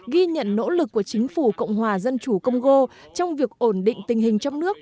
ghi nhận nỗ lực của chính phủ cộng hòa dân chủ công gô trong việc ổn định tình hình trong nước